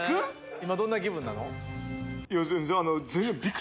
今どんな気分なの？